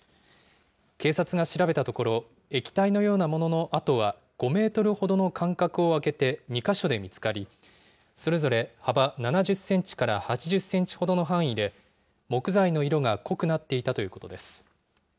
警察が調べたところ、液体のようなものの跡は５メートルほどの間隔を空けて２か所で見つかり、それぞれ幅７０センチから８０センチほどの範囲で、木材の色が濃くなっていたということです。